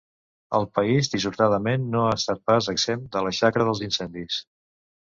El país, dissortadament, no ha estat pas exempt de la xacra dels incendis.